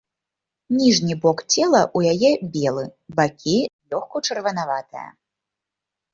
Ніжні бок цела ў яе белы, бакі злёгку чырванаватыя.